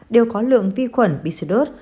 đều có lượng vi khuẩn bì xứ đốt